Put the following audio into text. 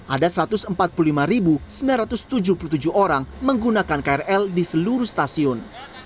ada satu ratus empat puluh lima sembilan ratus tujuh puluh tujuh orang menggunakan krl di seluruh stasiun